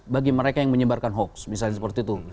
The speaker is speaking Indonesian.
bagi mereka yang menyebarkan hoax misalnya seperti itu